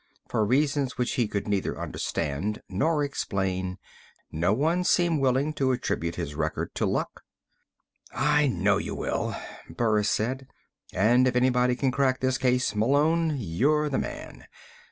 For reasons which he could neither understand nor explain, no one seemed willing to attribute his record to luck. "I know you will," Burris said. "And if anybody can crack this case, Malone, you're the man.